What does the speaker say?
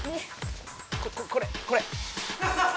これこれ。